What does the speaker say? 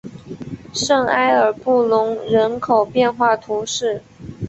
圣埃尔布隆人口变化图示